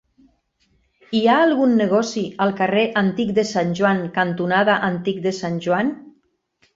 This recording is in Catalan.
Hi ha algun negoci al carrer Antic de Sant Joan cantonada Antic de Sant Joan?